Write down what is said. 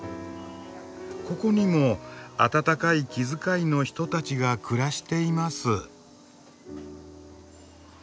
ここにも温かい気遣いの人たちが暮らしています。